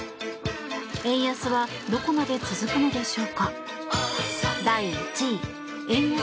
円安はどこまで続くのでしょうか。